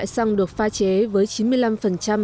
phản ánh của phóng viên truyền hình nhân dân